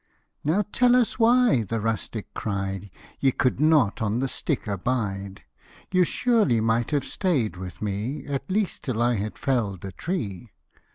" Now tell us why," the rustic cried, " Ye could not on the stick abide ? You surely might have stay'd with me At least till I had fell'd the tree."